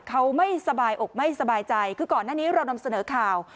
เขาไม่สบายอกไม่สบายใจคือก่อนหน้านี้เรานำเสนอข่าว